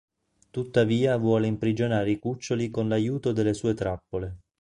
Tuttavia vuole imprigionare i Cuccioli con l'aiuto delle sue trappole.